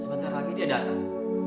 sebentar lagi dia datang